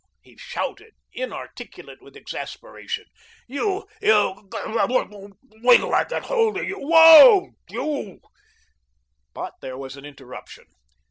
he shouted, inarticulate with exasperation. "You you Gor r r, wait till I get hold of you. WHOA, you!" But there was an interruption.